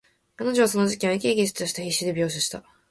彼女はその事件を、生き生きとした筆致で描写した。